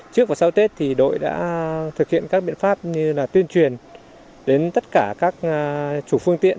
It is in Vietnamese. trước và sau tết thì đội đã thực hiện các biện pháp như là tuyên truyền đến tất cả các chủ phương tiện